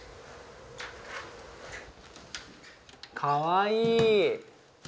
かわいい。